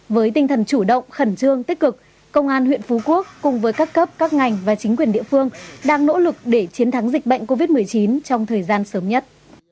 với tinh thần chủ động khẩn trương tích cực công an huyện phú quốc cùng với các cấp các ngành và chính quyền địa phương đang nỗ lực để chiến thắng dịch bệnh covid một mươi chín trong thời gian sớm nhất